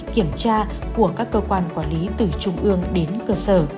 kiểm tra của các cơ quan quản lý từ trung ương đến cơ sở